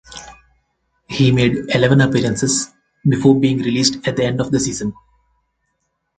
He made eleven appearances before being released at the end of the season.